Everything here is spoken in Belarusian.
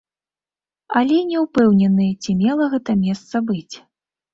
Але не ўпэўнены, ці мела гэта месца быць.